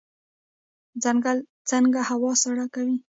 ځنګل څنګه هوا سړه کوي؟